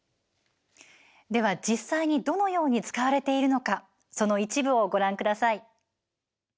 では、実際にどのように使われているのかその一部をご覧ください。